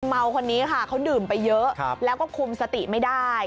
เมาคนนี้ค่ะเขาดื่มไปเยอะแล้วก็คุมสติไม่ได้